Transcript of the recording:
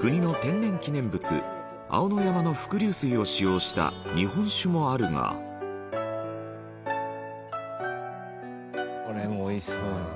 国の天然記念物、青野山の伏流水を使用した日本酒もあるが岡安：これもおいしそうだな。